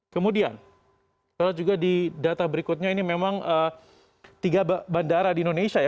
kemudian kita lihat juga di data berikutnya ini memang tiga bandara di indonesia ya